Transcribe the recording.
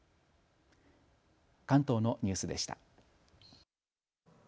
関東のニュースでした。